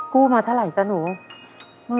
มาเท่าไหร่จ๊ะหนู